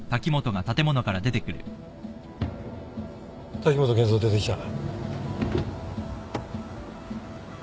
滝本健三出てきた。